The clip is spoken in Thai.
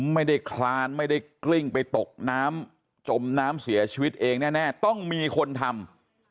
คลานไม่ได้กลิ้งไปตกน้ำจมน้ำเสียชีวิตเองแน่ต้องมีคนทำ